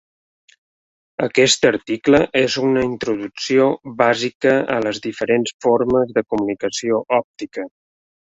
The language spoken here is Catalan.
Aquest article és una introducció bàsica a les diferents formes de comunicació òptica.